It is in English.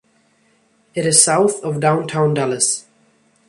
It is south of downtown Dallas.